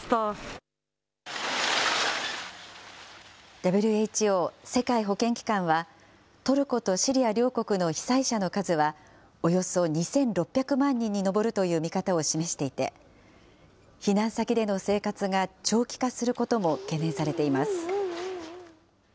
ＷＨＯ・世界保健機関は、トルコとシリア両国の被災者の数は、およそ２６００万人に上るという見方を示していて、避難先での生活が長期化することも懸念されています。